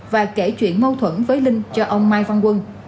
và kể chuyện mâu thuẫn với linh cho ông mai văn quân